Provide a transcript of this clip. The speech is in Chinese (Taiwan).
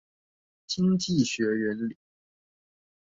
經濟學原理